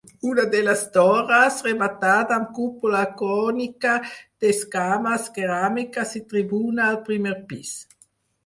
Una de les torres, rematada amb cúpula cònica d'escames ceràmiques i tribuna al primer pis.